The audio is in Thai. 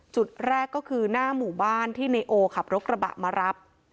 จุดแรกก็คือหน้าหมู่บ้านที่ในโอขับรถกระบะมารับ